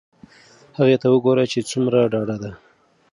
هغې ته وگوره چې څومره ډاډه ده.